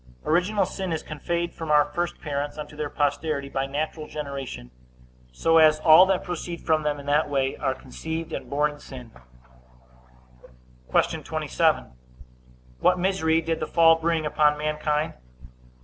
Original sin is conveyed from our first parents unto their posterity by natural generation, so as all that proceed from them in that way are conceived and born in sin. Q. 27. What misery did the fall bring upon mankind?